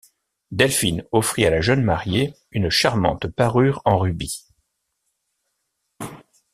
Delphine offrit à la jeune mariée une charmante parure en rubis.